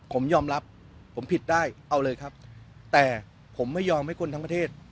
ผมยอมรับผมผิดได้เอาเลยครับแต่ผมไม่ยอมให้คนทั้งประเทศ